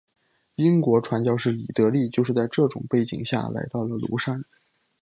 英国传教士李德立就是在这种背景下来到庐山。